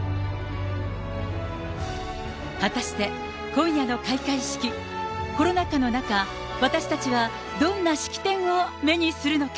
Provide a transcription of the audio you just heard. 果たして今夜の開会式、コロナ禍の中、私たちはどんな式典を目にするのか。